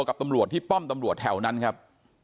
กับตำรวจที่ป้อมตำรวจแถวนั้นครับ